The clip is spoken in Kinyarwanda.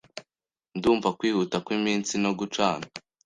Ndumva kwihuta kwimitsi no gucana